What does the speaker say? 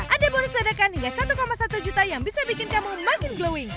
anda bonus ledakan hingga satu satu juta yang bisa bikin kamu makin glowing